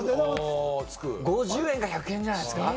５０円か１００円じゃないですか。